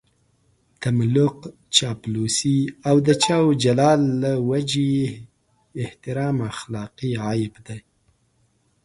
تملق، چاپلوسي او د جاه و جلال له وجهې احترام اخلاقي عيب دی.